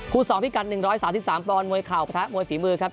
คู่สองพิกัดหนึ่งร้อยสามสิบสามปอนมวยเข่ามวยฝีมือครับ